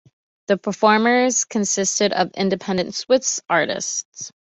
The performers consisted of independent Swiss artists.